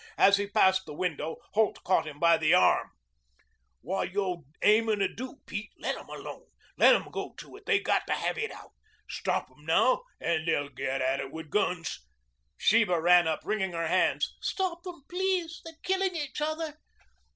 As he passed the window, Holt caught him by the arm. "What are you aimin' to do, Pete? Let 'em alone. Let 'em go to it. They got to have it out. Stop 'em now and they'll get at it with guns." Sheba ran up, wringing her hands. "Stop them, please. They're killing each other."